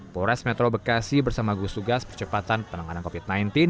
polres metro bekasi bersama gus tugas percepatan penanganan covid sembilan belas